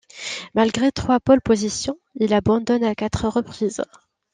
Malgré trois pole positions, il abandonne à quatre reprises.